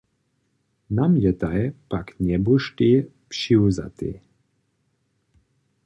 Namjetaj pak njebuštej přiwzatej.